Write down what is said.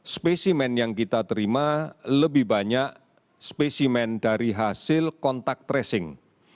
spesimen yang kita terima lebih banyak spesimen dari hasil kontak tracing